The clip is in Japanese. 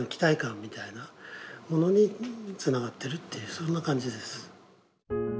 そんな感じです。